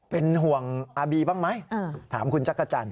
เป็นห่วงอาบีบ้างไหมถามคุณจักรจันท